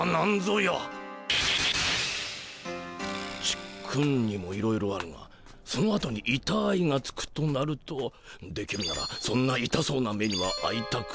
ちっくんにもいろいろあるがそのあとに「いたーい」がつくとなるとできるならそんないたそうな目にはあいたくない。